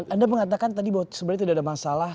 anda mengatakan tadi bahwa sebenarnya tidak ada masalah